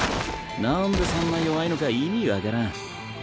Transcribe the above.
なんでそんな弱いのか意味分からん。